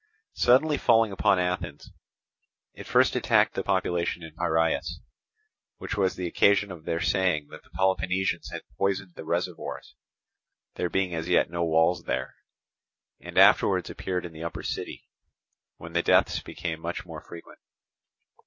Suddenly falling upon Athens, it first attacked the population in Piraeus—which was the occasion of their saying that the Peloponnesians had poisoned the reservoirs, there being as yet no wells there—and afterwards appeared in the upper city, when the deaths became much more frequent.